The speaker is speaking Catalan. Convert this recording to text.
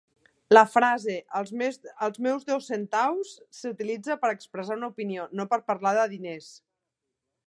La frase "els meus dos centaus" s'utilitza per a expressar una opinió, no per parlar de diners.